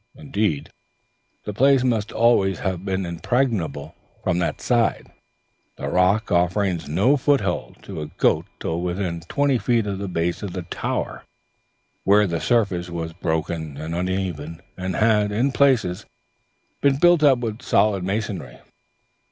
Indeed, the place must always have been impregnable from that side, the rock offering no foothold to a goat till within twenty feet of the base of the tower, where the surface was broken and uneven, and had, in places, been built up with solid masonry.